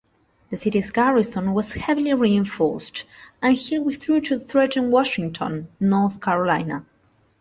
The city's garrison was heavily reinforced, and Hill withdrew to threaten Washington, North Carolina.